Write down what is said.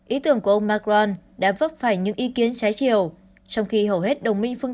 ý tưởng của ông macron đã vấp phải những ý kiến trái chiều trong khi hầu hết đồng minh phương